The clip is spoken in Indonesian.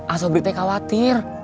asobrik teh khawatir